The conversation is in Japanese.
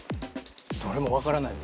どれも分からない。